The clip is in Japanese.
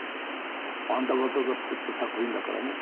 あんた方が作った作品だからね